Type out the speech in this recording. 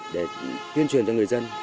để tuyên truyền cho người dân